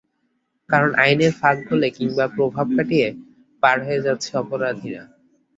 কারণ আইনের ফাঁক গলে কিংবা প্রভাব খাটিয়ে পার পেয়ে যাচ্ছে অপরাধীরা।